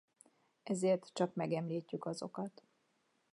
Ezért csak megemlítjük azokat.